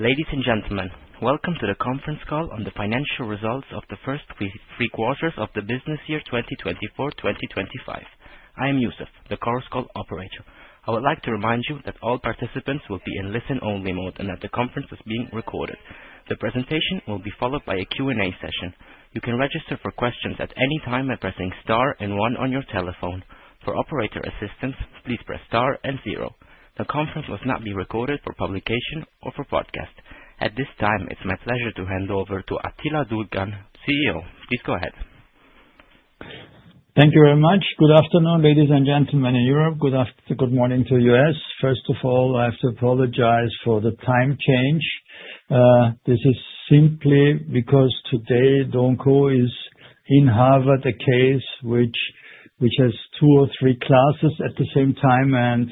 Ladies and gentlemen, welcome to the Conference Call on the Financial Results of the First Three Quarters of the Business Year 2024-2025. I am Youssef, the call operator. I would like to remind you that all participants will be in listen-only mode and that the conference is being recorded. The presentation will be followed by a Q&A session. You can register for questions at any time by pressing star and one on your telephone. For operator assistance, please press star and zero. The conference will not be recorded for publication or for podcast. At this time, it's my pleasure to hand over to Attila Dogudan, CEO. Please go ahead. Thank you very much. Good afternoon, ladies and gentlemen in Europe. Good morning to the U.S. First of all, I have to apologize for the time change. This is simply because today DO & CO is in Harvard, a case which has two or three classes at the same time, and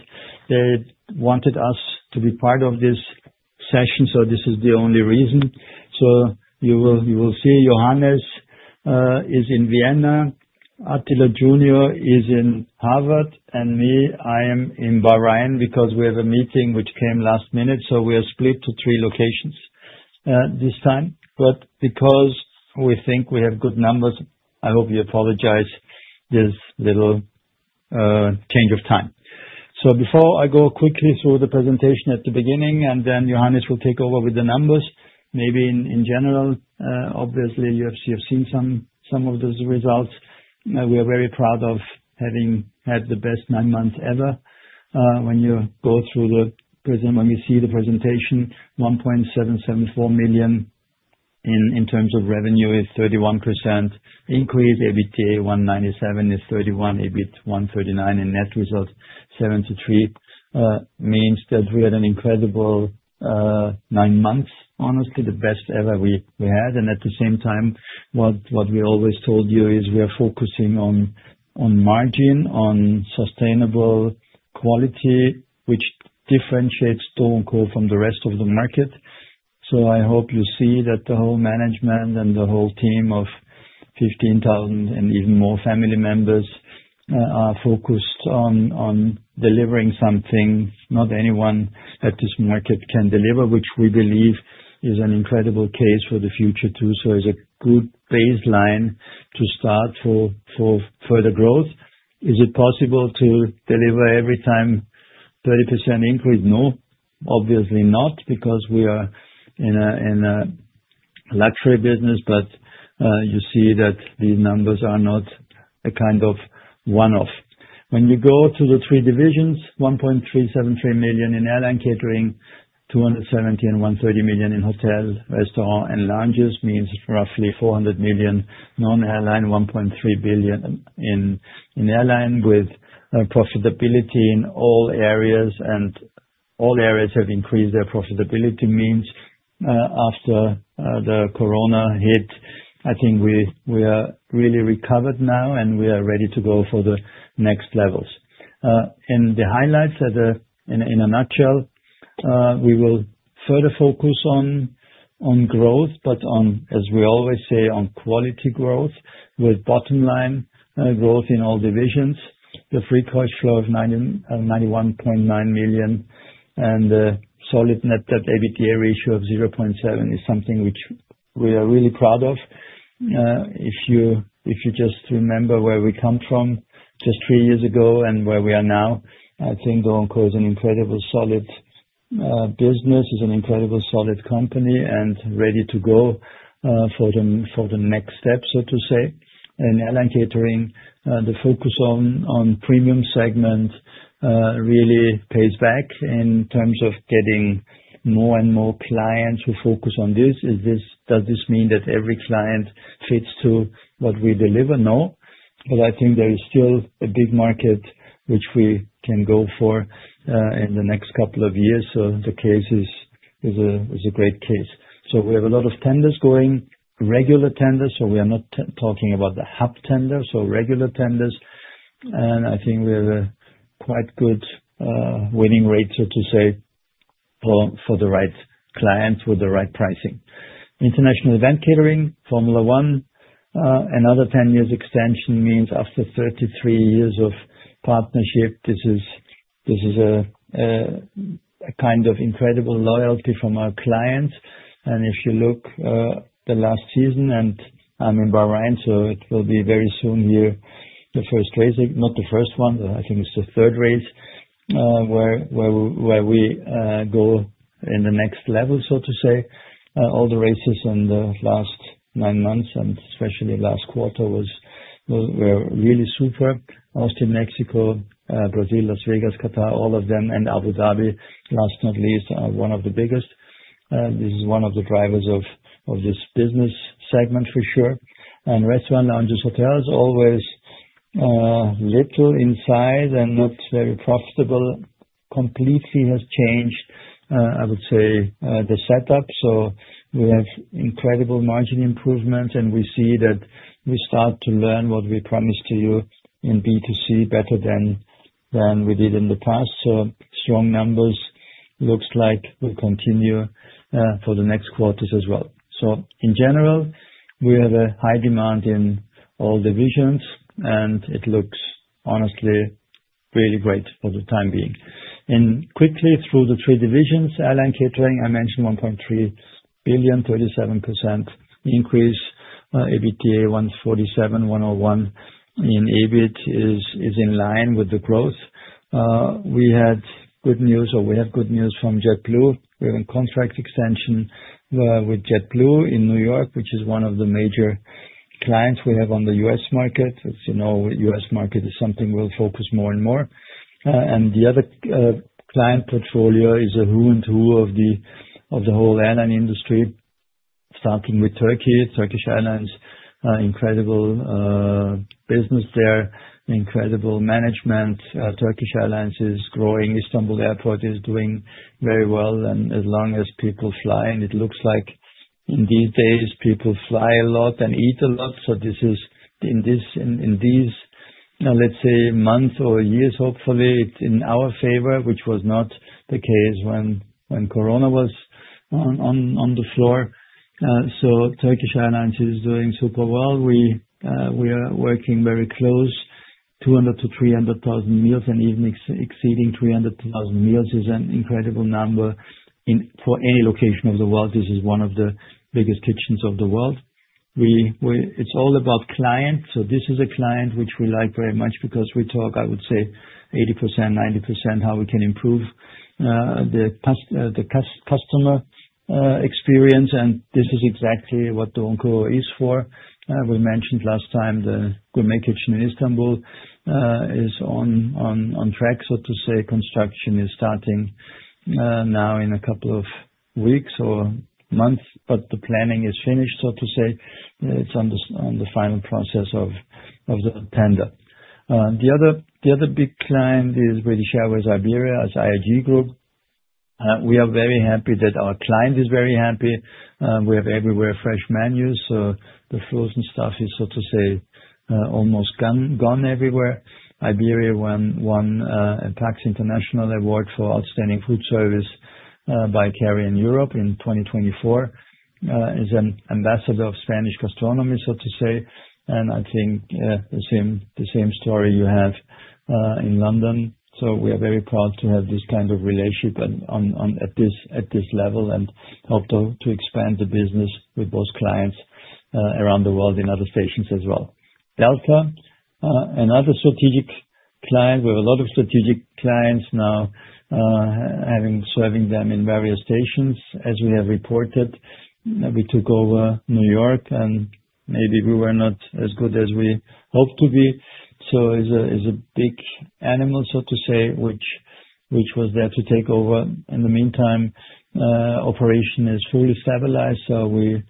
they wanted us to be part of this session. So this is the only reason. So you will see Johannes is in Vienna, Attila Junior is in Harvard, and me, I am in Bahrain because we have a meeting which came last minute. So we are split to three locations this time. But because we think we have good numbers, I hope you apologize this little change of time. Before I go quickly through the presentation at the beginning, and then Johannes will take over with the numbers, maybe in general, obviously you have seen some of those results. We are very proud of having had the best nine months ever. When you go through the presentation, when you see the presentation, 1.774 million in terms of revenue is 31% increase, EBITDA 197 is 31%, EBIT 139, and net result 73 means that we had an incredible nine months, honestly the best ever we had. At the same time, what we always told you is we are focusing on margin, on sustainable quality, which differentiates DO & CO from the rest of the market. So I hope you see that the whole management and the whole team of 15,000 and even more family members are focused on delivering something not anyone at this market can deliver, which we believe is an incredible case for the future too. So it's a good baseline to start for further growth. Is it possible to deliver every time 30% increase? No, obviously not, because we are in a luxury business, but you see that these numbers are not a kind of one-off. When you go to the three divisions, 1.373 million in airline catering, 270 million and 130 million in hotel, restaurant, and lounges means roughly 400 million non-airline, 1.3 billion in airline with profitability in all areas, and all areas have increased their profitability means after the corona hit. I think we are really recovered now and we are ready to go for the next levels. In the highlights in a nutshell, we will further focus on growth, but as we always say, on quality growth with bottom line growth in all divisions. The free cash flow of 91.9 million and the solid net debt EBITDA ratio of 0.7 is something which we are really proud of. If you just remember where we come from just three years ago and where we are now, I think DO & CO is an incredible solid business, is an incredible solid company and ready to go for the next step, so to say. In airline catering, the focus on premium segment really pays back in terms of getting more and more clients who focus on this. Does this mean that every client fits to what we deliver? No, but I think there is still a big market which we can go for in the next couple of years. The case is a great case. We have a lot of tenders going, regular tenders, so we are not talking about the hub tenders, so regular tenders. And I think we have a quite good winning rate, so to say, for the right clients with the right pricing. International Event Catering, Formula 1, another 10-year extension means after 33 years of partnership, this is a kind of incredible loyalty from our clients. And if you look at the last season, and I'm in Bahrain, so it will be very soon here, the first race, not the first one, but I think it's the third race where we go in the next level, so to say. All the races in the last nine months and especially last quarter were really super. Austin, Mexico, Brazil, Las Vegas, Qatar, all of them, and Abu Dhabi, last but not least, are one of the biggest. This is one of the drivers of this business segment for sure. And restaurants, lounges, hotels, always little in size and not very profitable, completely has changed, I would say, the setup. So we have incredible margin improvement and we see that we start to learn what we promised to you in B2C better than we did in the past. So strong numbers looks like will continue for the next quarters as well. So in general, we have a high demand in all divisions and it looks honestly really great for the time being. And quickly through the three divisions, airline catering, I mentioned 1.3 billion, 37% increase, EBITDA 147, 101 in EBIT is in line with the growth. We had good news or we have good news from JetBlue. We have a contract extension with JetBlue in New York, which is one of the major clients we have on the US market. As you know, the U.S. market is something we'll focus more and more, and the other client portfolio is a who and who of the whole airline industry, starting with Turkey. Turkish Airlines, incredible business there, incredible management. Turkish Airlines is growing. Istanbul Airport is doing very well, and as long as people fly, and it looks like in these days, people fly a lot and eat a lot, so this is in these, let's say, months or years, hopefully in our favor, which was not the case when corona was on the floor, so Turkish Airlines is doing super well. We are working very closely, 200,000-300,000 meals and even exceeding 300,000 meals is an incredible number for any location of the world. This is one of the biggest kitchens of the world. It's all about clients. So this is a client which we like very much because we talk, I would say, 80%-90%, how we can improve the customer experience, and this is exactly what DO & CO is for. We mentioned last time the gourmet kitchen in Istanbul is on track, so to say. Construction is starting now in a couple of weeks or months, but the planning is finished, so to say. It's on the final process of the tender. The other big client is British Airways, Iberia, as IAG Group. We are very happy that our client is very happy. We have everywhere fresh menus. So the frozen stuff is, so to say, almost gone everywhere. Iberia won a PAX International Award for Outstanding Food Service by Carrier in Europe in 2024. It's an ambassador of Spanish gastronomy, so to say. And I think the same story you have in London. So we are very proud to have this kind of relationship at this level and hope to expand the business with those clients around the world in other stations as well. Delta, another strategic client. We have a lot of strategic clients now, serving them in various stations. As we have reported, we took over New York and maybe we were not as good as we hoped to be. So it's a big animal, so to say, which was there to take over. In the meantime, operation is fully stabilized. So we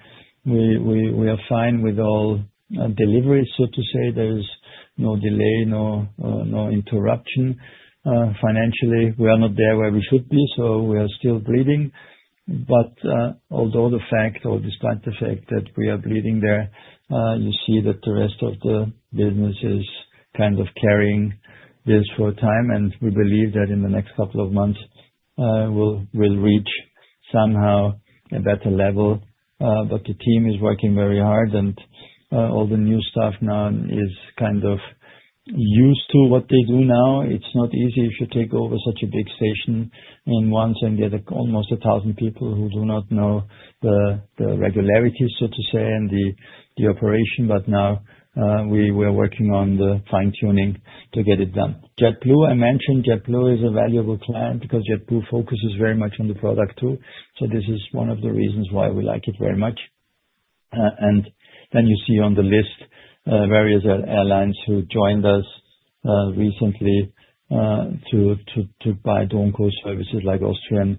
are fine with all deliveries, so to say. There is no delay, no interruption. Financially, we are not there where we should be. So we are still bleeding. But although the fact or despite the fact that we are bleeding there, you see that the rest of the business is kind of carrying this for a time. And we believe that in the next couple of months, we'll reach somehow a better level. But the team is working very hard and all the new staff now is kind of used to what they do now. It's not easy if you take over such a big station in one time and get almost 1,000 people who do not know the regularity, so to say, and the operation. But now we are working on the fine-tuning to get it done. JetBlue, I mentioned, JetBlue is a valuable client because JetBlue focuses very much on the product too. So this is one of the reasons why we like it very much. And then you see on the list various airlines who joined us recently to buy DO & CO services like Austrian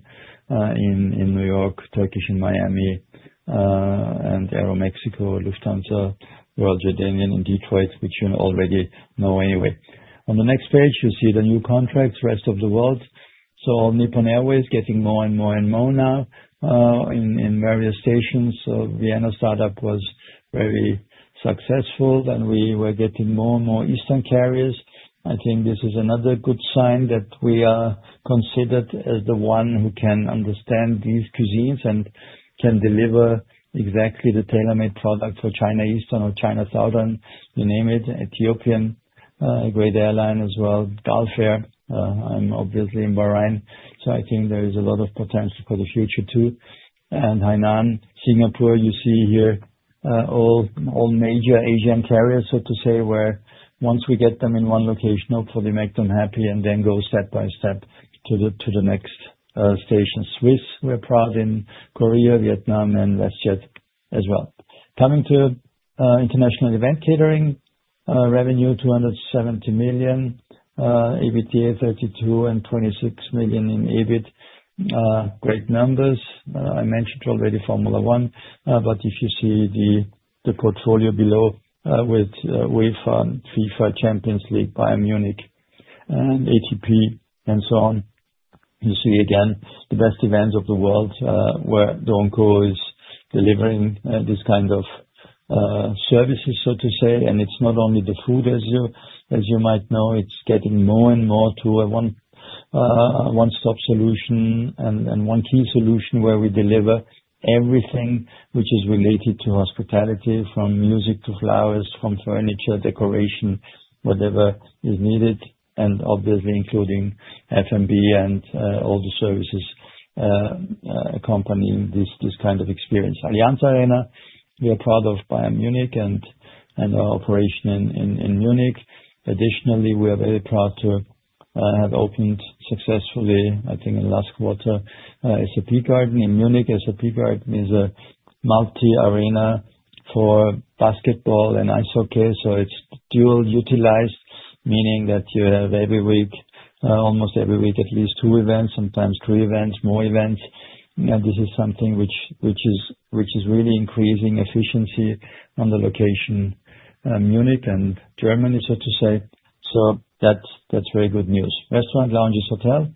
in New York, Turkish in Miami, and Aeromexico, Lufthansa, Royal Jordanian in Detroit, which you already know anyway. On the next page, you see the new contracts, rest of the world. So All Nippon Airways getting more and more and more now in various stations. Vienna startup was very successful. Then we were getting more and more Eastern carriers. I think this is another good sign that we are considered as the one who can understand these cuisines and can deliver exactly the tailor-made product for China Eastern or China Southern, you name it, Ethiopian, a great airline as well, Gulf Air. I'm obviously in Bahrain. I think there is a lot of potential for the future too. Hainan, Singapore, you see here all major Asian carriers, so to say, where once we get them in one location, hopefully make them happy and then go step by step to the next station. Swiss, we're proud in Korea, Vietnam, and WestJet as well. Coming to international event catering, revenue 270 million, EBITDA 32 million and 26 million in EBIT, great numbers. I mentioned already Formula One, but if you see the portfolio below with UEFA, FIFA, Champions League, Bayern Munich, and ATP and so on, you see again the best events of the world where DO & CO is delivering this kind of services, so to say. And it's not only the food, as you might know, it's getting more and more to a one-stop solution and one key solution where we deliver everything which is related to hospitality, from music to flowers, from furniture, decoration, whatever is needed, and obviously including F&B and all the services accompanying this kind of experience. Allianz Arena, we are proud of Bayern Munich and our operation in Munich. Additionally, we are very proud to have opened successfully, I think in last quarter, SAP Garden in Munich. SAP Garden is a multi-arena for basketball and ice hockey. So it's dual utilized, meaning that you have every week, almost every week, at least two events, sometimes three events, more events. And this is something which is really increasing efficiency on the location Munich and Germany, so to say. So that's very good news. Restaurants, lounges, hotel.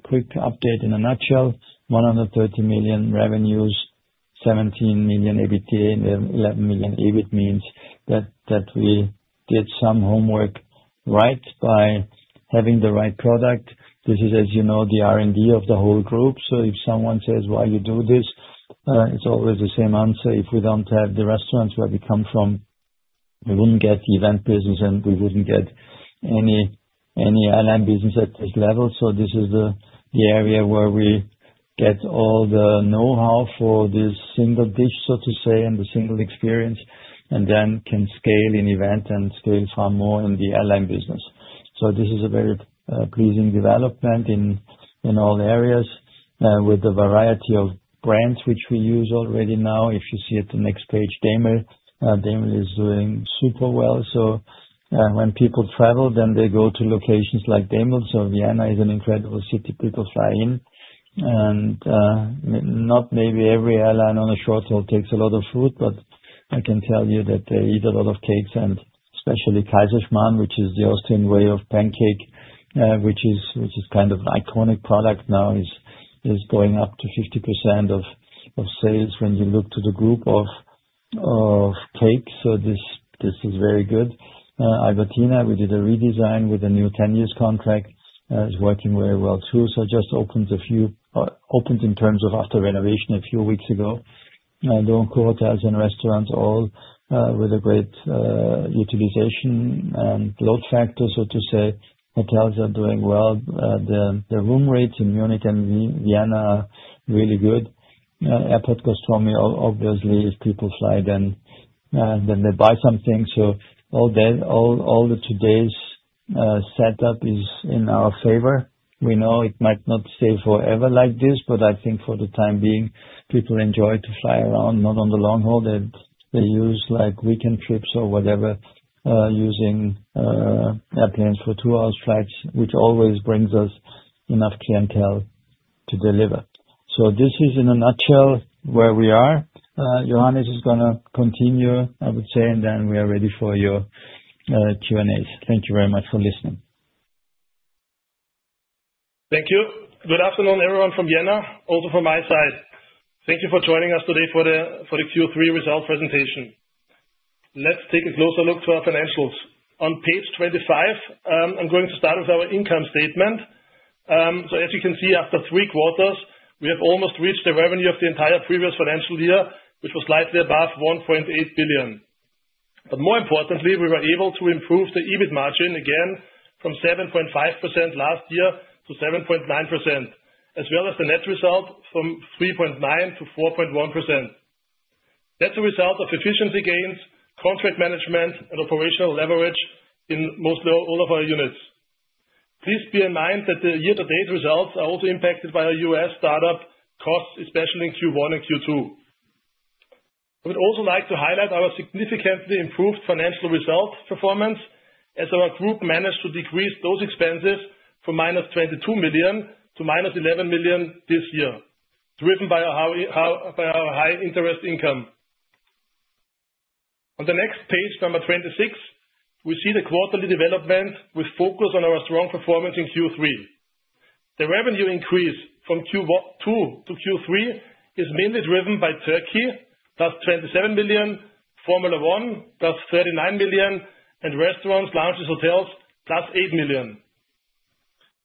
Quick update in a nutshell: 130 million revenues, 17 million EBITDA, and 11 million EBIT. This means that we did some homework right by having the right product. This is, as you know, the R&D of the whole group. So if someone says, "Why you do this?" It's always the same answer. If we don't have the restaurants where we come from, we wouldn't get the event business and we wouldn't get any airline business at this level. So this is the area where we get all the know-how for this single dish, so to say, and the single experience, and then can scale in event and scale far more in the airline business. So this is a very pleasing development in all areas with the variety of brands which we use already now. If you see at the next page, Demel is doing super well. When people travel, then they go to locations like Demel. Vienna is an incredible city. People fly in. Not maybe every airline on a short haul takes a lot of food, but I can tell you that they eat a lot of cakes and especially Kaiserschmarren, which is the Austrian way of pancake, which is kind of an iconic product now, is going up to 50% of sales when you look to the group of cakes. This is very good. Albertina, we did a redesign with a new 10-year contract. It's working very well too. Just opened in terms of after renovation a few weeks ago. DO & CO Hotels and restaurants all with a great utilization and load factor, so to say. Hotels are doing well. The room rates in Munich and Vienna are really good. Airport gastronomy, obviously, if people fly, then they buy something. So all the today's setup is in our favor. We know it might not stay forever like this, but I think for the time being, people enjoy to fly around, not on the long haul. They use weekend trips or whatever, using airplanes for two-hour flights, which always brings us enough clientele to deliver. So this is in a nutshell where we are. Johannes is going to continue, I would say, and then we are ready for your Q&As. Thank you very much for listening. Thank you. Good afternoon, everyone from Vienna, also from my side. Thank you for joining us today for the Q3 result presentation. Let's take a closer look to our financials. On page 25, I'm going to start with our income statement. So as you can see, after three quarters, we have almost reached the revenue of the entire previous financial year, which was slightly above 1.8 billion. But more importantly, we were able to improve the EBIT margin again from 7.5% last year to 7.9%, as well as the net result from 3.9% to 4.1%. That's a result of efficiency gains, contract management, and operational leverage in mostly all of our units. Please be in mind that the year-to-date results are also impacted by our U.S. startup costs, especially in Q1 and Q2. I would also like to highlight our significantly improved financial result performance as our group managed to decrease those expenses from minus 22 million to minus 11 million this year, driven by our high interest income. On the next page, number 26, we see the quarterly development with focus on our strong performance in Q3. The revenue increase from Q2 to Q3 is mainly driven by Turkey, plus 27 million, Formula 1, plus 39 million, and restaurants, lounges, hotels, plus 8 million.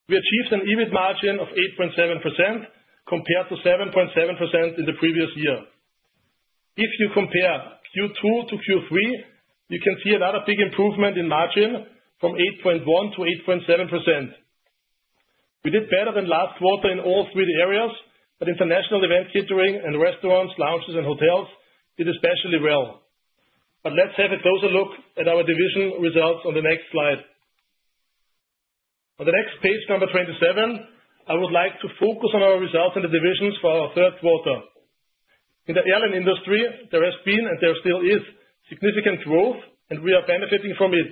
We achieved an EBIT margin of 8.7% compared to 7.7% in the previous year. If you compare Q2 to Q3, you can see another big improvement in margin from 8.1% to 8.7%. We did better than last quarter in all three areas, but international event catering and restaurants, lounges, and hotels did especially well. But let's have a closer look at our division results on the next Slide. On the next page, number 27, I would like to focus on our results and the divisions for our third quarter. In the airline industry, there has been and there still is significant growth, and we are benefiting from it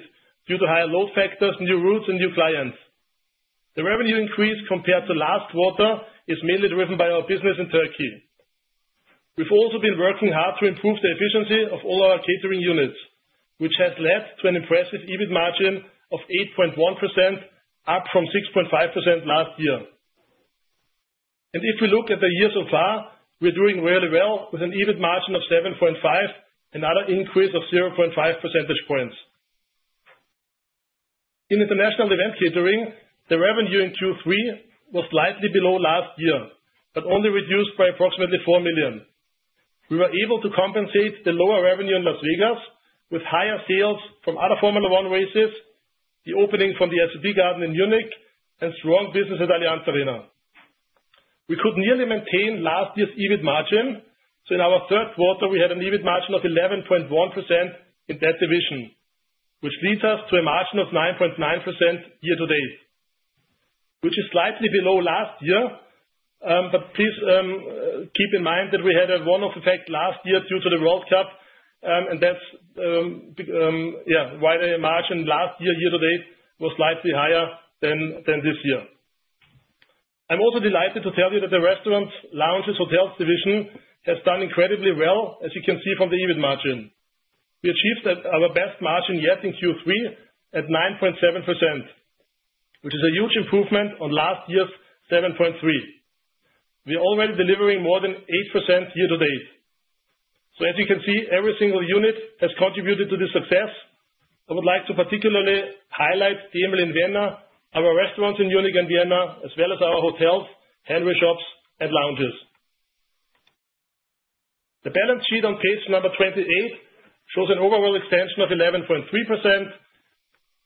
due to higher load factors, new routes, and new clients. The revenue increase compared to last quarter is mainly driven by our business in Turkey. We've also been working hard to improve the efficiency of all our catering units, which has led to an impressive EBIT margin of 8.1%, up from 6.5% last year, and if we look at the year so far, we're doing really well with an EBIT margin of 7.5% and an increase of 0.5 percentage points. In international event catering, the revenue in Q3 was slightly below last year, but only reduced by approximately 4 million. We were able to compensate the lower revenue in Las Vegas with higher sales from other Formula 1 races, the opening of the SAP Garden in Munich, and strong business at Allianz Arena. We could nearly maintain last year's EBIT margin. So in our third quarter, we had an EBIT margin of 11.1% in that division, which leads us to a margin of 9.9% year-to-date, which is slightly below last year. But please keep in mind that we had a one-off effect last year due to the World Cup, and that's why the margin last year-to-date was slightly higher than this year. I'm also delighted to tell you that the restaurants, lounges, hotels division has done incredibly well, as you can see from the EBIT margin. We achieved our best margin yet in Q3 at 9.7%, which is a huge improvement on last year's 7.3%. We are already delivering more than 8% year-to-date. So as you can see, every single unit has contributed to this success. I would like to particularly highlight Demel in Vienna, our restaurants in Munich and Vienna, as well as our hotels, handwear shops, and lounges. The balance sheet on page number 28 shows an overall extension of 11.3%.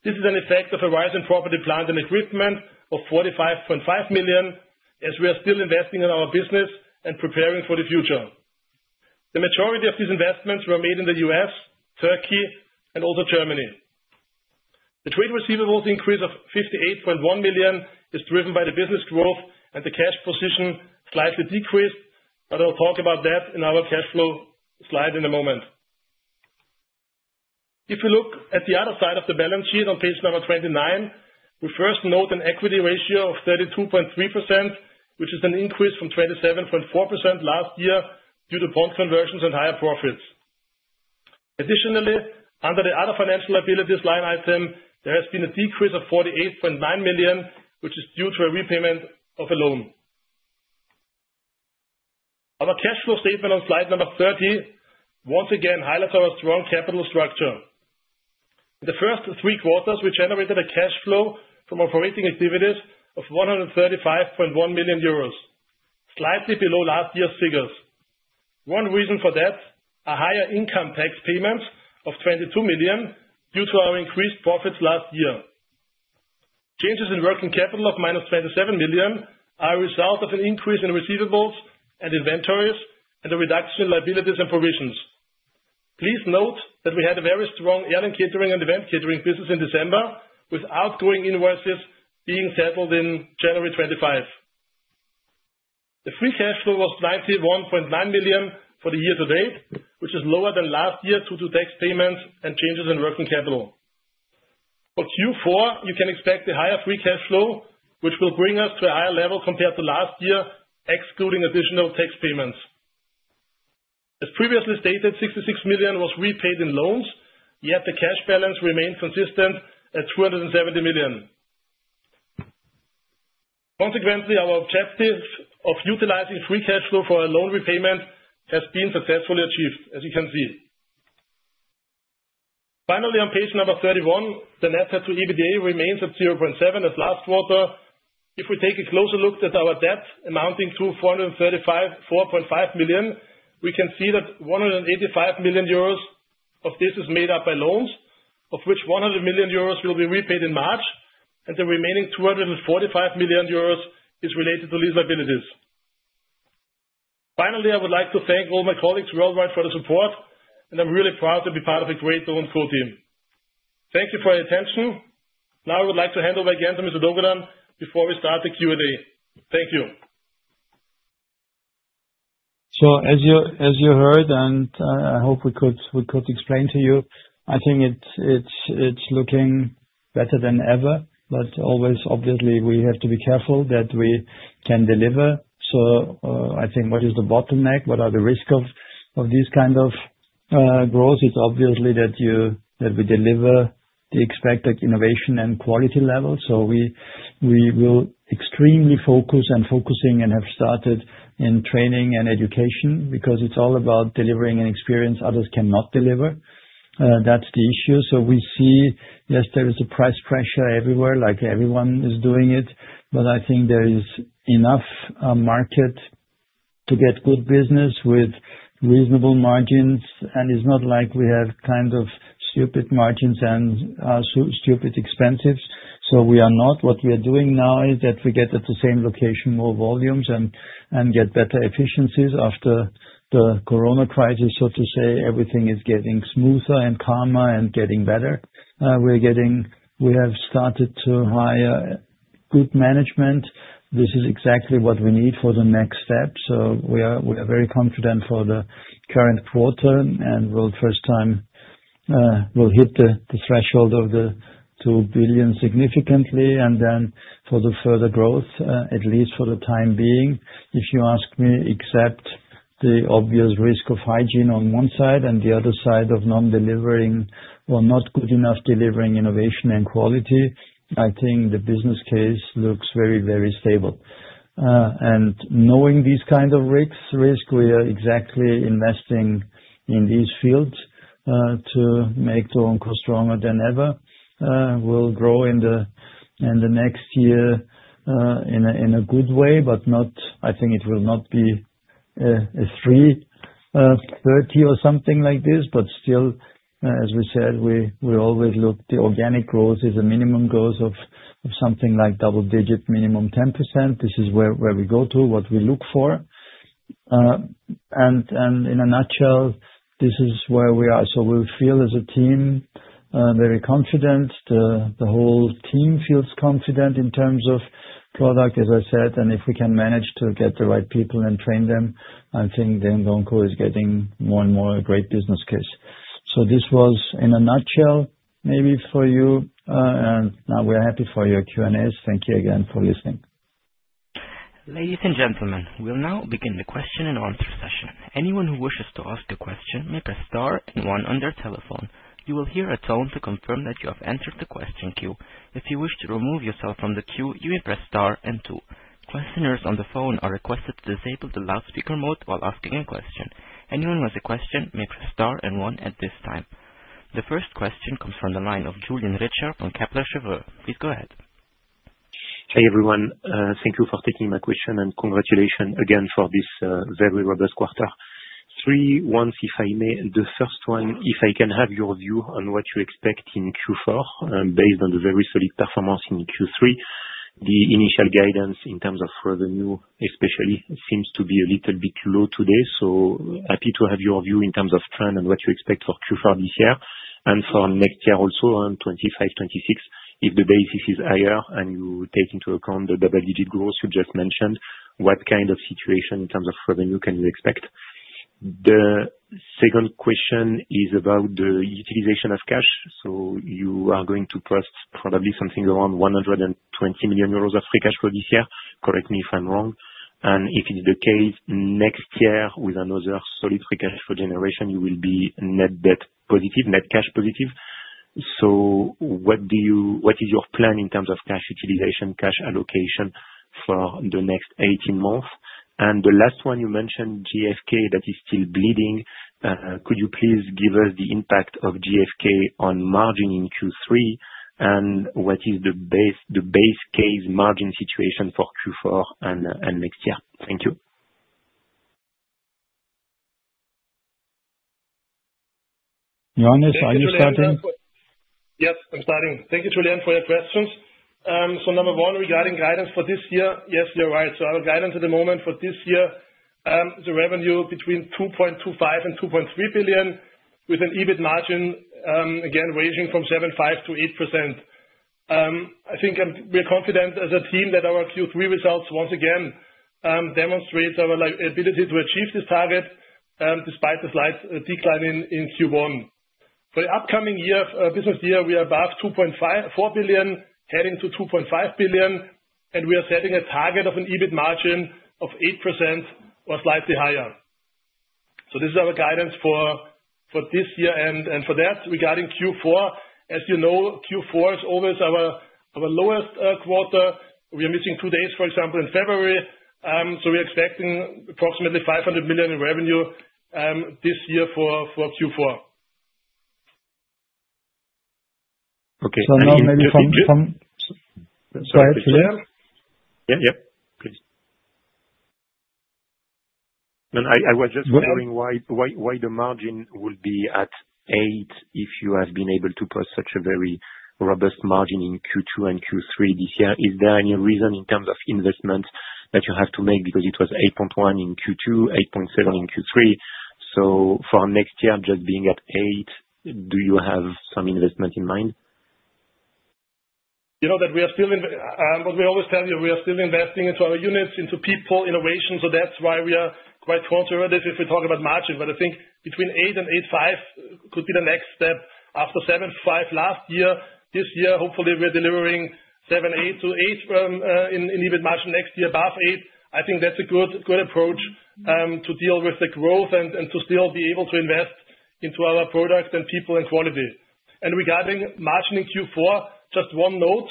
This is an effect of a rise in property, plant and equipment of 45.5 million, as we are still investing in our business and preparing for the future. The majority of these investments were made in the U.S., Turkey, and also Germany. The trade receivables increase of 58.1 million is driven by the business growth and the cash position slightly decreased, but I'll talk about that in our cash flow slide in a moment. If we look at the other side of the balance sheet on page number 29, we first note an equity ratio of 32.3%, which is an increase from 27.4% last year due to bond conversions and higher profits. Additionally, under the other financial liabilities line item, there has been a decrease of 48.9 million, which is due to a repayment of a loan. Our cash flow statement on slide number 30 once again highlights our strong capital structure. In the first three quarters, we generated a cash flow from operating activities of 135.1 million euros, slightly below last year's figures. One reason for that is a higher income tax payment of 22 million due to our increased profits last year. Changes in working capital of minus 27 million are a result of an increase in receivables and inventories and a reduction in liabilities and provisions. Please note that we had a very strong airline catering and event catering business in December, with outgoing invoices being settled in January 2025. The free cash flow was 91.9 million for the year-to-date, which is lower than last year due to tax payments and changes in working capital. For Q4, you can expect a higher free cash flow, which will bring us to a higher level compared to last year, excluding additional tax payments. As previously stated, 66 million was repaid in loans, yet the cash balance remained consistent at 270 million. Consequently, our objective of utilizing free cash flow for a loan repayment has been successfully achieved, as you can see. Finally, on page number 31, the net debt to EBITDA remains at 0.7 as last quarter. If we take a closer look at our debt amounting to 435.5 million, we can see that 185 million euros of this is made up by loans, of which 100 million euros will be repaid in March, and the remaining 245 million euros is related to lease liabilities. Finally, I would like to thank all my colleagues worldwide for the support, and I'm really proud to be part of a great DO & CO team. Thank you for your attention. Now I would like to hand over again to Mr. Dogudan before we start the Q&A. Thank you. So, as you heard, and I hope we could explain to you, I think it's looking better than ever, but always, obviously, we have to be careful that we can deliver. So I think what is the bottleneck? What are the risks of these kinds of growth? It's obvious that we deliver the expected innovation and quality level. So we will extremely focus and have started in training and education because it's all about delivering an experience others cannot deliver. That's the issue. So we see, yes, there is a price pressure everywhere, like everyone is doing it, but I think there is enough market to get good business with reasonable margins, and it's not like we have kind of stupid margins and stupid expenses. So we are not. What we are doing now is that we get at the same location more volumes and get better efficiencies. After the corona crisis, so to say, everything is getting smoother and calmer and getting better. We have started to hire good management. This is exactly what we need for the next step. We are very confident for the current quarter, and we'll first time hit the threshold of 2 billion significantly. For the further growth, at least for the time being, if you ask me, except the obvious risk of hygiene on one side and the other side of non-delivering or not good enough delivering innovation and quality, I think the business case looks very, very stable. Knowing these kinds of risks, we are exactly investing in these fields to make DO & CO stronger than ever. We'll grow in the next year in a good way, but I think it will not be a 330 or something like this. Still, as we said, we always look at the organic growth as a minimum growth of something like double-digit minimum 10%. This is where we go to, what we look for. And in a nutshell, this is where we are. So we feel as a team very confident. The whole team feels confident in terms of product, as I said. And if we can manage to get the right people and train them, I think then DO & CO is getting more and more a great business case. So this was in a nutshell maybe for you. And now we're happy for your Q&As. Thank you again for listening. Ladies and gentlemen, we'll now begin the question and answer session. Anyone who wishes to ask a question may press star and one on their telephone. You will hear a tone to confirm that you have entered the question queue. If you wish to remove yourself from the queue, you may press star and two. Questioners on the phone are requested to disable the loudspeaker mode while asking a question. Anyone who has a question may press star and one at this time. The first question comes from the line of Julien Richer from Kepler Cheuvreux. Please go ahead. Hi everyone. Thank you for taking my question and congratulations again for this very robust quarter three. One, if I may, the first one, if I can have your view on what you expect in Q4 based on the very solid performance in Q3. The initial guidance in terms of revenue, especially, seems to be a little bit low today. So happy to have your view in terms of trend and what you expect for Q4 this year and for next year also, 2025, 2026, if the basis is higher and you take into account the double-digit growth you just mentioned, what kind of situation in terms of revenue can you expect? The second question is about the utilization of cash. So you are going to post probably something around 120 million euros of free cash flow this year. Correct me if I'm wrong. And if it's the case, next year with another solid free cash flow generation, you will be net debt positive, net cash positive. So what is your plan in terms of cash utilization, cash allocation for the next 18 months? And the last one you mentioned, JFK, that is still bleeding. Could you please give us the impact of JFK on margin in Q3 and what is the base case margin situation for Q4 and next year? Thank you. Johannes, are you starting? Yes, I'm starting. Thank you Julien for your questions. So number one regarding guidance for this year, yes, you're right. Our guidance at the moment for this year is revenue between 2.25 billion and 2.3 billion with an EBIT margin, again, ranging from 7.5%-8%. I think we're confident as a team that our Q3 results once again demonstrate our ability to achieve this target despite the slight decline in Q1. For the upcoming year of business year, we are above 2.4 billion, heading to 2.5 billion, and we are setting a target of an EBIT margin of 8% or slightly higher. This is our guidance for this year and for that regarding Q4. As you know, Q4 is always our lowest quarter. We are missing two days, for example, in February. We are expecting approximately 500 million in revenue this year for Q4. Okay. Now maybe from Julien? Yeah, yeah. Please. I was just wondering why the margin will be at 8% if you have been able to post such a very robust margin in Q2 and Q3 this year. Is there any reason in terms of investment that you have to make because it was 8.1% in Q2, 8.7% in Q3? So for next year, just being at 8%, do you have some investment in mind? You know that we are still, what we always tell you, we are still investing into our units, into people, innovation. So that's why we are quite prone to error if we talk about margin. But I think between 8% and 8.5% could be the next step after 7.5% last year. This year, hopefully, we're delivering 7.8% to 8% in EBIT margin next year, above 8%. I think that's a good approach to deal with the growth and to still be able to invest into our product and people and quality, and regarding margin in Q4, just one note,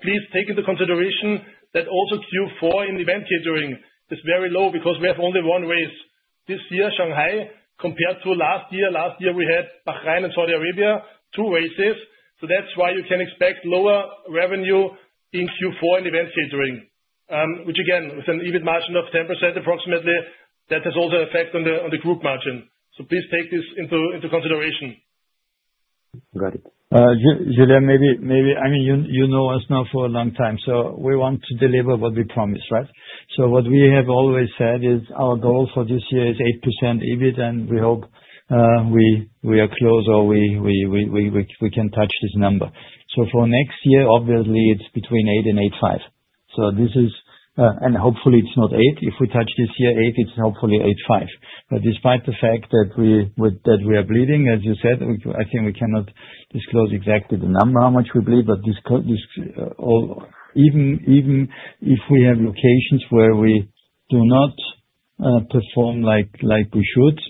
please take into consideration that also Q4 in event catering is very low because we have only one race this year, Shanghai, compared to last year. Last year, we had Bahrain and Saudi Arabia, two races. That's why you can expect lower revenue in Q4 in event catering, which again, with an EBIT margin of 10% approximately, has also an effect on the group margin. Please take this into consideration. Got it. Julien, I mean, you know us now for a long time, so we want to deliver what we promise, right? What we have always said is our goal for this year is 8% EBIT, and we hope we are close or we can touch this number. For next year, obviously, it's between 8%-8.5%. Hopefully, it's not 8%. If we touch this year 8%, it's hopefully 8.5%. Despite the fact that we are bleeding, as you said, I think we cannot disclose exactly the number how much we bleed, but even if we have locations where we do not perform like we should,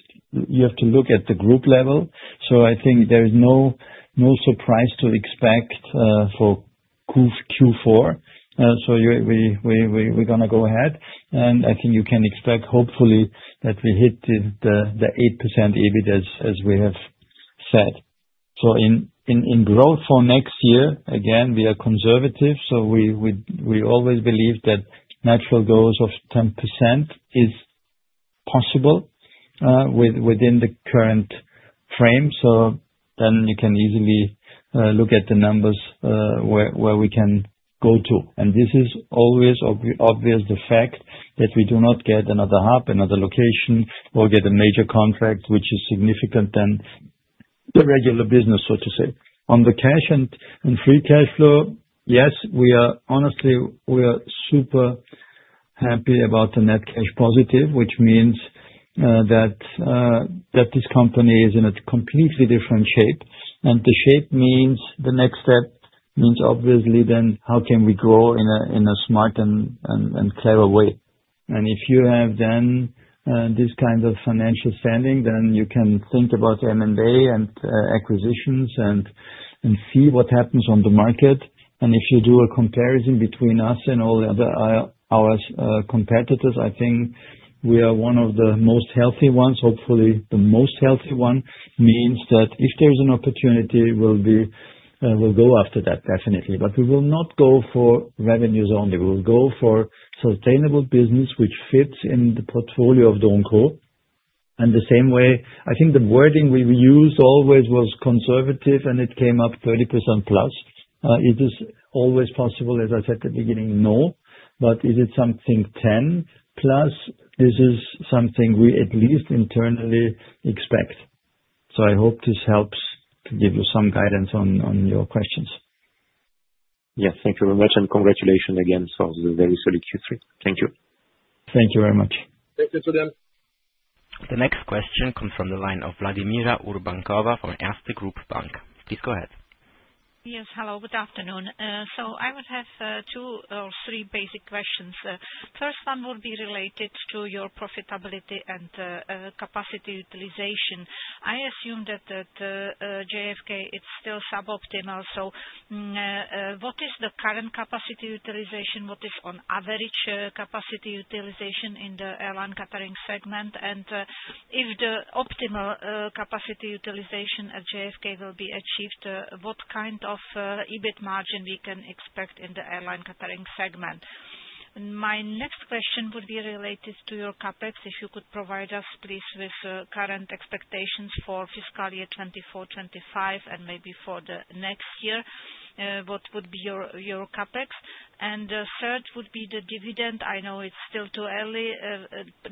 you have to look at the group level. I think there is no surprise to expect for Q4. We're going to go ahead. I think you can expect, hopefully, that we hit the 8% EBIT, as we have said. In growth for next year, again, we are conservative. So we always believe that natural growth of 10% is possible within the current frame. So then you can easily look at the numbers where we can go to. And this is always obvious, the fact that we do not get another hub, another location, or get a major contract, which is significant than the regular business, so to say. On the cash and free cash flow, yes, we are honestly, we are super happy about the net cash positive, which means that this company is in a completely different shape. And the shape means the next step means obviously then how can we grow in a smart and clever way. And if you have then this kind of financial standing, then you can think about M&A and acquisitions and see what happens on the market. And if you do a comparison between us and all our competitors, I think we are one of the most healthy ones. Hopefully, the most healthy one means that if there's an opportunity, we'll go after that, definitely. But we will not go for revenues only. We will go for sustainable business, which fits in the portfolio of DO & CO. And the same way, I think the wording we used always was conservative, and it came up 30% plus. Is this always possible, as I said at the beginning? No. But is it something 10 plus? This is something we at least internally expect. So I hope this helps to give you some guidance on your questions. Yes, thank you very much and congratulations again for the very solid Q3. Thank you. Thank you very much. Thank you Julian. The next question comes from the line of Vladimíra Urbánková from Erste Group Bank. Please go ahead. Yes, hello. Good afternoon. So I would have two or three basic questions. First one would be related to your profitability and capacity utilization. I assume that JFK, it's still sub-optimal. So what is the current capacity utilization? What is on average capacity utilization in the airline catering segment? And if the optimal capacity utilization at JFK will be achieved, what kind of EBIT margin we can expect in the airline catering segment? My next question would be related to your CapEx. If you could provide us, please, with current expectations for fiscal year 2024, 2025, and maybe for the next year, what would be your CapEx? And the third would be the dividend. I know it's still too early.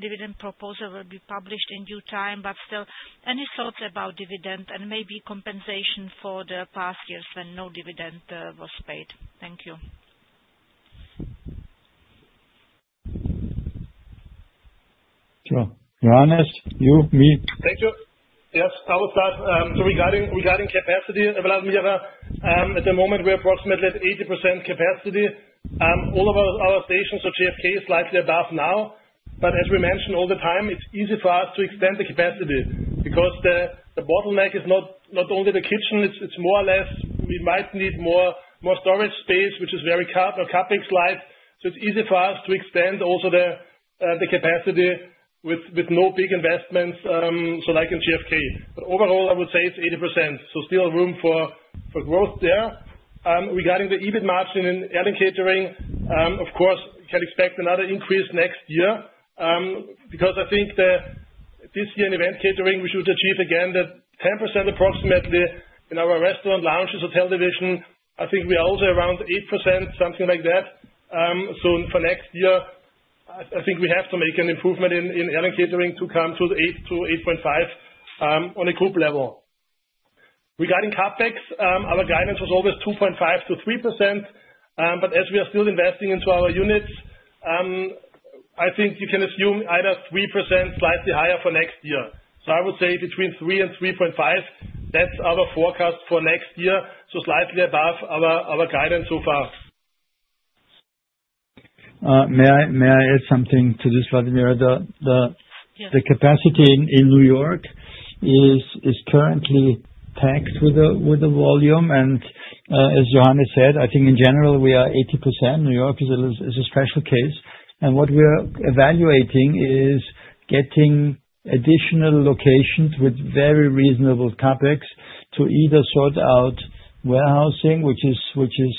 Dividend proposal will be published in due time, but still, any thoughts about dividend and maybe compensation for the past years when no dividend was paid? Thank you. Sure. Johannes, you, me. Thank you. Yes, I will start. Regarding capacity, Vladimíra, at the moment, we're approximately at 80% capacity. All of our stations, so JFK, is slightly above now. But as we mentioned all the time, it's easy for us to extend the capacity because the bottleneck is not only the kitchen. It's more or less we might need more storage space, which is very CapEx light. It's easy for us to extend also the capacity with no big investments like in JFK. But overall, I would say it's 80%. Still room for growth there. Regarding the EBIT margin in airline catering, of course, you can expect another increase next year because I think this year in event catering, we should achieve again the 10% approximately in our restaurant lounges, hotel division. I think we are also around 8%, something like that. So for next year, I think we have to make an improvement in airline catering to come to 8%-8.5% on a group level. Regarding CapEx, our guidance was always 2.5%-3%. But as we are still investing into our units, I think you can assume either 3% slightly higher for next year. So I would say between 3% and 3.5%, that's our forecast for next year, so slightly above our guidance so far. May I add something to this, Vladimíra? The capacity in New York is currently packed with the volume. And as Johannes said, I think in general, we are 80%. New York is a special case. And what we are evaluating is getting additional locations with very reasonable CapEx to either sort out warehousing, which is,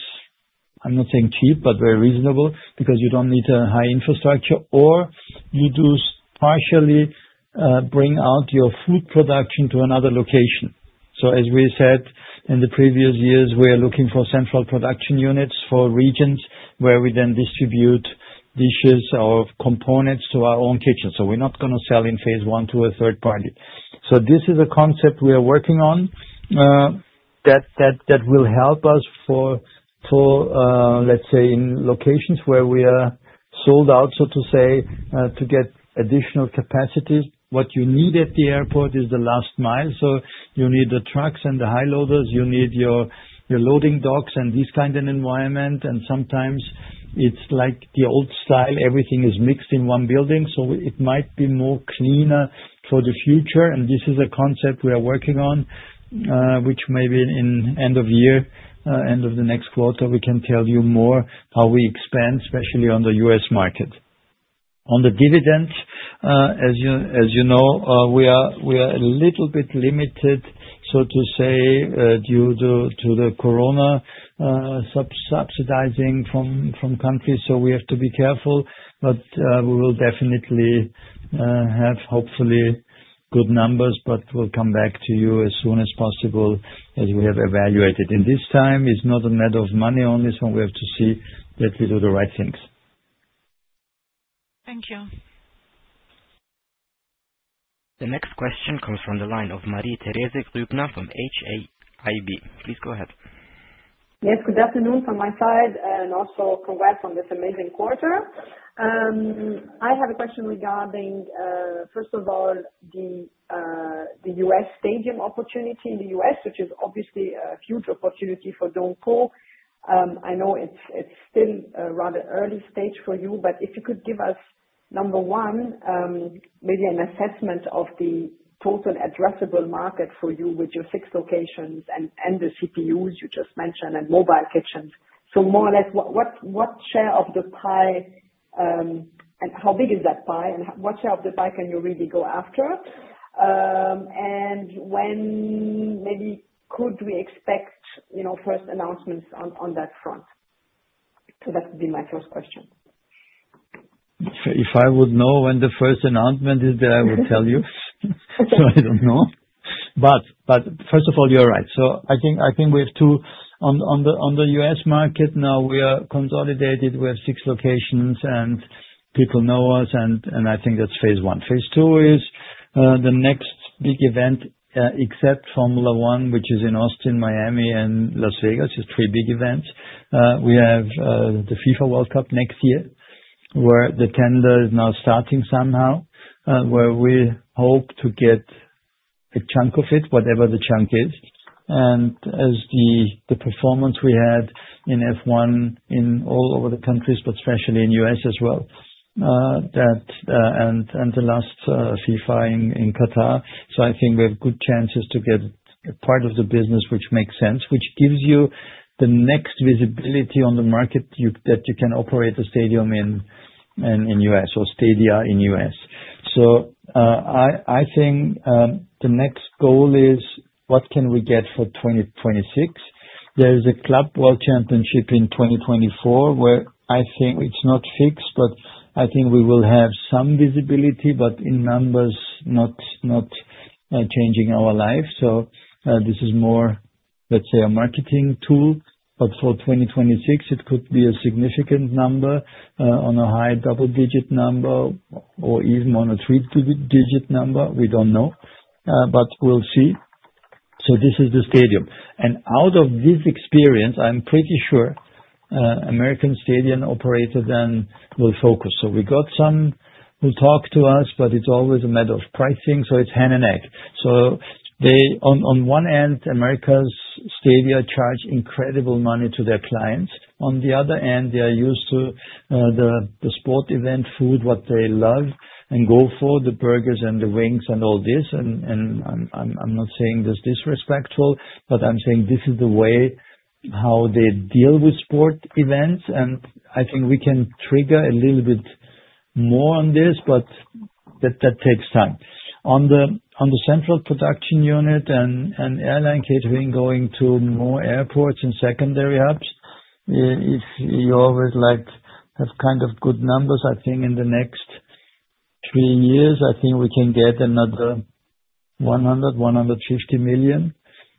I'm not saying cheap, but very reasonable because you don't need a high infrastructure, or you do partially bring out your food production to another location. So as we said in the previous years, we are looking for central production units for regions where we then distribute dishes or components to our own kitchen. So we're not going to sell in phase I to a third party. So this is a concept we are working on that will help us for, let's say, in locations where we are sold out, so to say, to get additional capacity. What you need at the airport is the last mile. So you need the trucks and the high loaders. You need your loading docks and these kinds of environments. And sometimes it's like the old style, everything is mixed in one building. So it might be more cleaner for the future. And this is a concept we are working on, which maybe in end of year, end of the next quarter, we can tell you more how we expand, especially on the U.S. market. On the dividends, as you know, we are a little bit limited, so to say, due to the corona subsidizing from countries. So we have to be careful, but we will definitely have, hopefully, good numbers, but we'll come back to you as soon as possible as we have evaluated. And this time is not a matter of money only. So we have to see that we do the right things. Thank you. The next question comes from the line of Marie-Therese Grubner from HAIB. Please go ahead. Yes, good afternoon from my side, and also congrats on this amazing quarter. I have a question regarding, first of all, the US stadium opportunity in the U.S., which is obviously a huge opportunity for DO & CO. I know it's still a rather early stage for you, but if you could give us, number one, maybe an assessment of the total addressable market for you with your six locations and the CPUs you just mentioned and mobile kitchens. So more or less, what share of the pie and how big is that pie? And what share of the pie can you really go after? And when maybe could we expect first announcements on that front? So that would be my first question. If I would know when the first announcement is there, I would tell you. So I don't know. But first of all, you're right. So I think we have two on the U.S. market now. We are consolidated. We have six locations, and people know us, and I think that's phase I. Phase II is the next big event, except Formula 1, which is in Austin, Miami, and Las Vegas. It's three big events. We have the FIFA World Cup next year, where the tender is now starting somehow, where we hope to get a chunk of it, whatever the chunk is. And as the performance we had in F1 in all over the countries, but especially in the U.S. as well, and the last FIFA in Qatar. So I think we have good chances to get part of the business, which makes sense, which gives you the next visibility on the market that you can operate the stadium in U.S. or Stadia in U.S. So I think the next goal is what can we get for 2026? There is a Club World Championship in 2024, where I think it's not fixed, but I think we will have some visibility, but in numbers, not changing our life. So this is more, let's say, a marketing tool. But for 2026, it could be a significant number on a high double-digit number or even on a three-digit number. We don't know, but we'll see. So this is the stadium. And out of this experience, I'm pretty sure American stadium operators then will focus. So we got some who talk to us, but it's always a matter of pricing. It's hand in hand. On one end, America's Stadia charge incredible money to their clients. On the other end, they are used to the sport event food, what they love and go for, the burgers and the wings and all this. I'm not saying this disrespectful, but I'm saying this is the way how they deal with sport events. I think we can trigger a little bit more on this, but that takes time. On the Central Production Unit and airline catering going to more airports and secondary hubs, if you always like have kind of good numbers, I think in the next three years, I think we can get another 100 million-150 million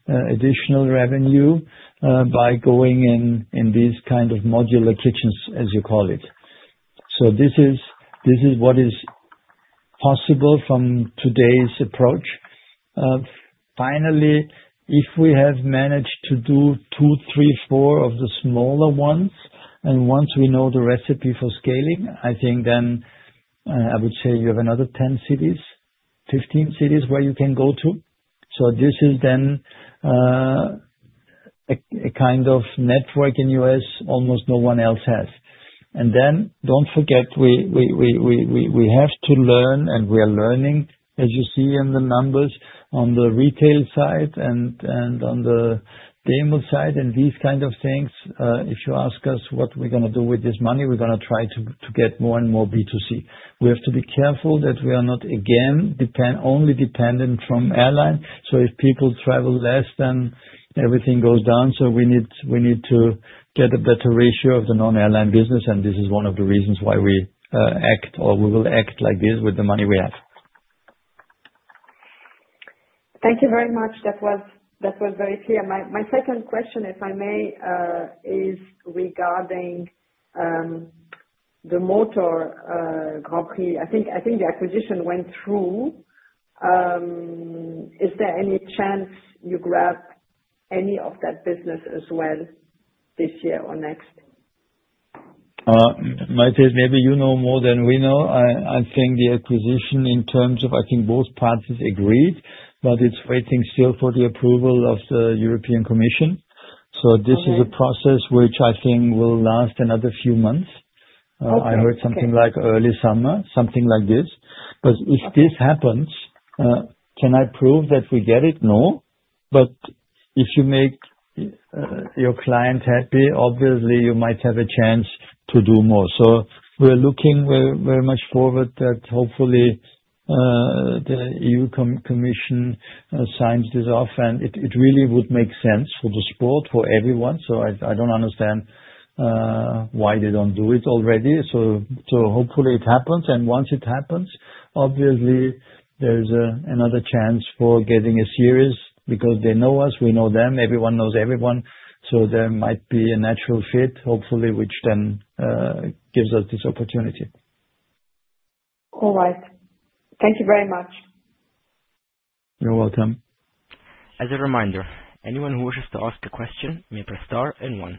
additional revenue by going in these kind of modular kitchens, as you call it. This is what is possible from today's approach. Finally, if we have managed to do two, three, four of the smaller ones, and once we know the recipe for scaling, I think then I would say you have another 10 cities, 15 cities where you can go to. So this is then a kind of network in the U.S. almost no one else has. And then don't forget, we have to learn, and we are learning, as you see in the numbers on the retail side and on the Demel side and these kind of things. If you ask us what we're going to do with this money, we're going to try to get more and more B2C. We have to be careful that we are not again only dependent from airline. So if people travel less, then everything goes down. So we need to get a better ratio of the non-airline business. This is one of the reasons why we act or we will act like this with the money we have. Thank you very much. That was very clear. My second question, if I may, is regarding the MotoGP. I think the acquisition went through. Is there any chance you grab any of that business as well this year or next? Marie-Therese, maybe you know more than we know. I think the acquisition in terms of I think both parties agreed, but it's waiting still for the approval of the European Commission. So this is a process which I think will last another few months. I heard something like early summer, something like this. But if this happens, can I prove that we get it? No. But if you make your client happy, obviously, you might have a chance to do more. So we're looking very much forward that hopefully the EU Commission signs this off, and it really would make sense for the sport, for everyone. I don't understand why they don't do it already. Hopefully it happens. Once it happens, obviously, there's another chance for getting a series because they know us, we know them, everyone knows everyone. There might be a natural fit, hopefully, which then gives us this opportunity. All right. Thank you very much. You're welcome. As a reminder, anyone who wishes to ask a question may press star and one.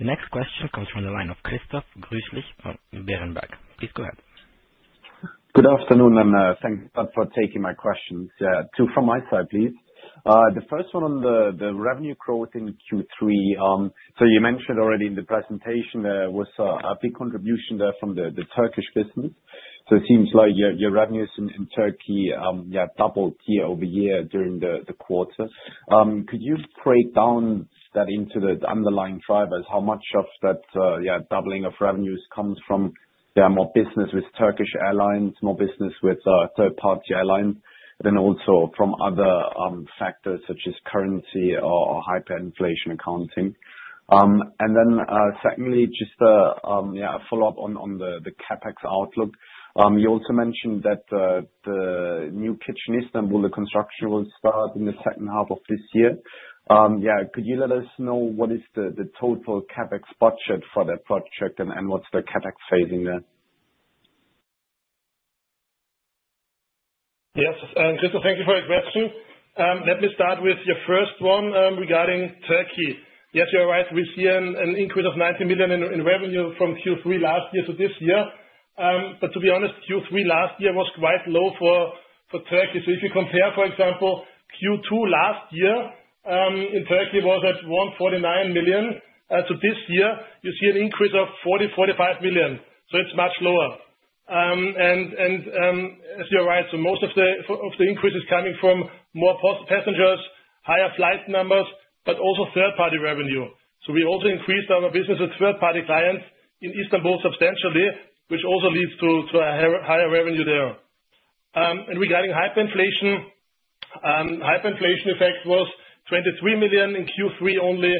The next question comes from the line of Christoph Greulich Berenberg. Please go ahead. Good afternoon, and thanks for taking my questions. Two from my side, please. The first one on the revenue growth in Q3. So, you mentioned already in the presentation there was a big contribution there from the Turkish business. So, it seems like your revenues in Turkey doubled year-over-year during the quarter. Could you break down that into the underlying drivers? How much of that doubling of revenues comes from more business with Turkish Airlines, more business with third-party airlines, and also from other factors such as currency or hyperinflation accounting? And then, secondly, just a follow-up on the CapEx outlook. You also mentioned that the new kitchen in Istanbul, the construction will start in the second half of this year. Yeah, could you let us know what is the total CapEx budget for that project and what's the CapEx phase in there? Yes. Christoph, thank you for your question. Let me start with your first one regarding Turkey. Yes, you're right. We see an increase of 90 million in revenue from Q3 last year to this year. But to be honest, Q3 last year was quite low for Turkey. So if you compare, for example, Q2 last year in Turkey was at 149 million. To this year, you see an increase of 40 million-45 million. So it's much lower. And as you're right, so most of the increase is coming from more passengers, higher flight numbers, but also third-party revenue. So we also increased our business with third-party clients in Istanbul substantially, which also leads to a higher revenue there. And regarding hyperinflation, hyperinflation effect was 23 million in Q3 only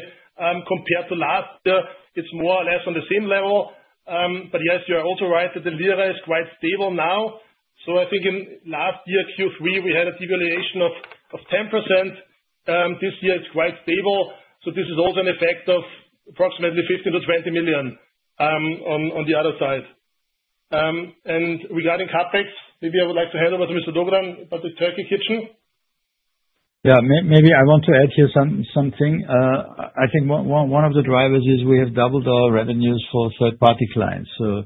compared to last year. It's more or less on the same level. But yes, you're also right that the Lira is quite stable now. So I think in last year, Q3, we had a devaluation of 10%. This year it's quite stable. So this is also an effect of approximately 15 million-20 million on the other side. And regarding CapEx, maybe I would like to hand over to Mr. Dogudan about the Turkey kitchen. Yeah, maybe I want to add here something. I think one of the drivers is we have doubled our revenues for third-party clients. So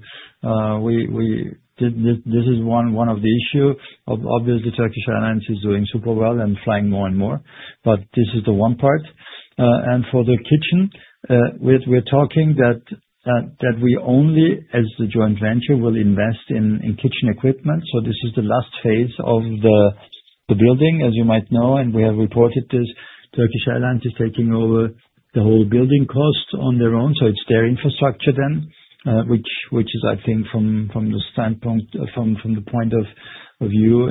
this is one of the issues. Obviously, Turkish Airlines is doing super well and flying more and more. But this is the one part. And for the kitchen, we're talking that we only, as the joint venture, will invest in kitchen equipment. So this is the last phase of the building, as you might know. And we have reported this Turkish Airlines is taking over the whole building cost on their own. So it's their infrastructure then, which is, I think, from the standpoint, from the point of view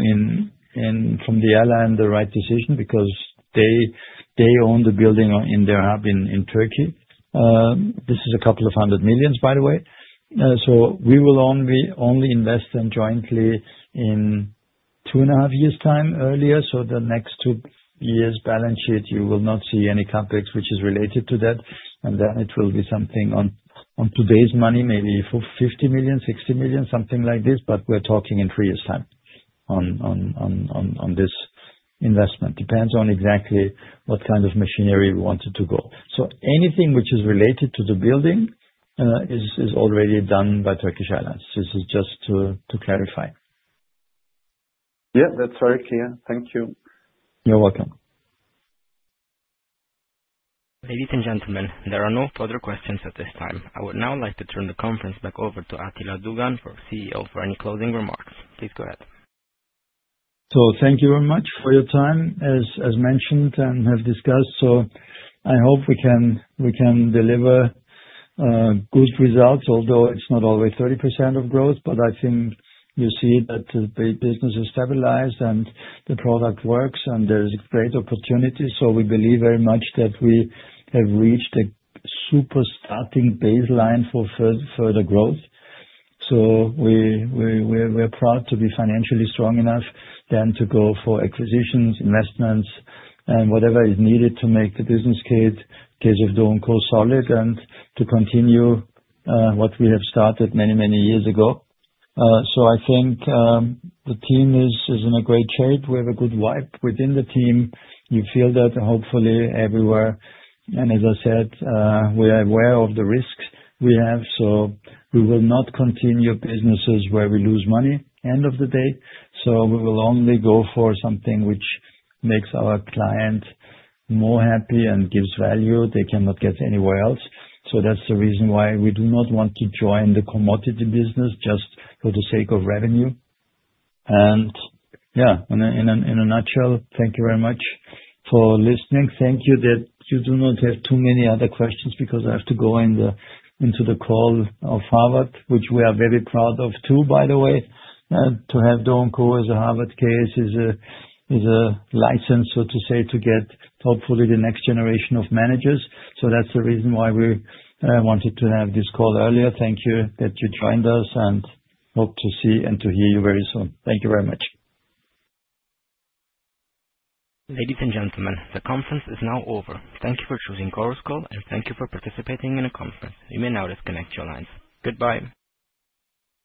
from the airline, the right decision because they own the building in their hub in Turkey. This is a couple of hundred million EUR, by the way. We will only invest in them jointly in two and a half years' time earlier. The next two years' balance sheet, you will not see any CapEx which is related to that. Then it will be something on today's money, maybe 50 million, 60 million, something like this. But we're talking in three years' time on this investment. It depends on exactly what kind of machinery we want it to go. Anything which is related to the building is already done by Turkish Airlines. This is just to clarify. Yeah, that's very clear. Thank you. You're welcome. Ladies and gentlemen, there are no further questions at this time. I would now like to turn the conference back over to Attila Dogudan, CEO, for any closing remarks. Please go ahead. So thank you very much for your time, as mentioned and have discussed. So I hope we can deliver good results, although it's not always 30% of growth. But I think you see that the business has stabilized and the product works, and there is a great opportunity. So we believe very much that we have reached a super starting baseline for further growth. So we're proud to be financially strong enough then to go for acquisitions, investments, and whatever is needed to make the business case of DO & CO solid and to continue what we have started many, many years ago. So I think the team is in a great shape. We have a good vibe within the team. You feel that hopefully everywhere. And as I said, we are aware of the risks we have. So we will not continue businesses where we lose money end of the day. So we will only go for something which makes our client more happy and gives value. They cannot get anywhere else. So that's the reason why we do not want to join the commodity business just for the sake of revenue. And yeah, in a nutshell, thank you very much for listening. Thank you that you do not have too many other questions because I have to go into the call of Harvard, which we are very proud of too, by the way. To have DO & CO as a Harvard case is a license, so to say, to get hopefully the next generation of managers. So that's the reason why we wanted to have this call earlier. Thank you that you joined us and hope to see and to hear you very soon. Thank you very much. Ladies and gentlemen, the conference is now over. Thank you for choosing Chorus Call, and thank you for participating in a conference. You may now disconnect your lines. Goodbye.